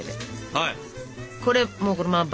はい。